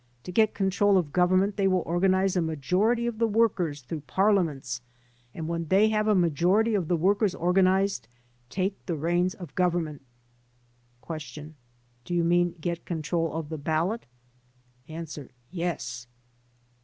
To get control of Gov eitiment they will organize a majority of the workers through parliaments and when they have a majority of the workers organized, take the reins of Government." Q. "Do you mean get control of the ballot?" A. "Yes."